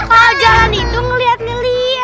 kau jalan itu ngeliat ngeliat